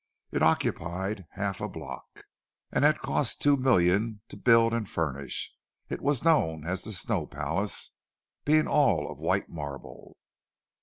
It occupied half a block, and had cost two millions to build and furnish. It was known as the "Snow Palace," being all of white marble.